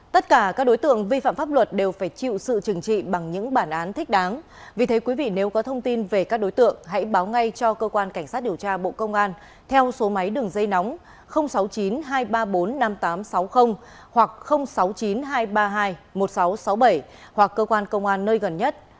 tất cả các đối tượng vi phạm pháp luật đều phải chịu sự trừng trị bằng những bản án thích đáng vì thế quý vị nếu có thông tin về các đối tượng hãy báo ngay cho cơ quan cảnh sát điều tra bộ công an theo số máy đường dây nóng sáu mươi chín hai trăm ba mươi bốn năm nghìn tám trăm sáu mươi hoặc sáu mươi chín hai trăm ba mươi hai một nghìn sáu trăm sáu mươi bảy hoặc cơ quan công an nơi gần nhất